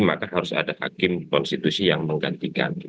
maka harus ada hakim konstitusi yang menggantikan